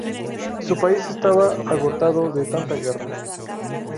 Su país estaba agotado de tanta guerra.